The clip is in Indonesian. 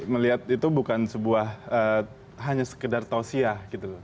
melihat itu bukan sebuah hanya sekedar tawziah gitu loh